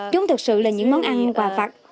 chúng thực sự là những món ăn quà vặt